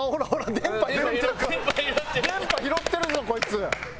電波拾ってるぞこいつ！